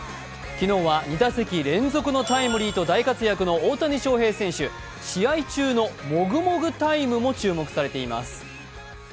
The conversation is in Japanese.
昨日は２打席連続タイムリーと大活躍の大谷翔平選手、試合中のもぐもぐタイムも注目されています。